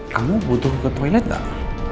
kamu butuh ke toilet gak